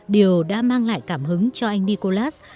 điều đã mang lại cảm hứng cho anh nicolas